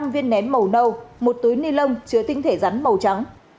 năm viên nén màu nâu một túi ni lông chứa tinh thể rắn màu trắng